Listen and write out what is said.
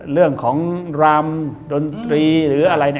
เรื่องของรามดนตรีหรืออะไร